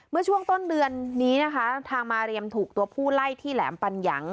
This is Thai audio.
เมื่อช่วงต้นเดือนนี้นะคะทางมาเรียมถูกตัวผู้ไล่ที่แหลมปัญญัง